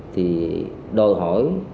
thì đòi hỏi